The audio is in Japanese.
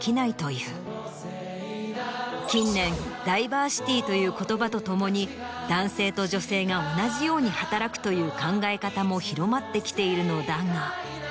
近年「ダイバーシティー」という言葉とともに男性と女性が同じように働くという考え方も広まってきているのだが。